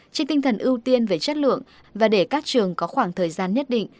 trên tinh thần ưu tiên về chất lượng và để các trường có khoảng thời gian nhất định